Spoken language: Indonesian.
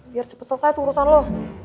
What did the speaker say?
biar cepat selesai tuh urusan lo